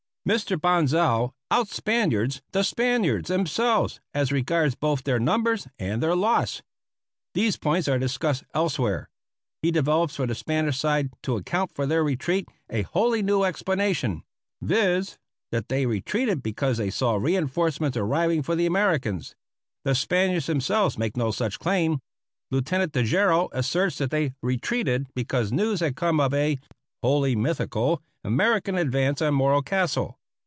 Mr. Bonsal out Spaniards the Spaniards themselves as regards both their numbers and their loss. These points are discussed elsewhere. He develops for the Spanish side, to account for their retreat, a wholly new explanation viz., that they retreated because they saw reinforcements arriving for the Americans. The Spaniards themselves make no such claim. Lieutenant Tejeiro asserts that they retreated because news had come of a (wholly mythical) American advance on Morro Castle.